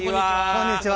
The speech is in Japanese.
こんにちは。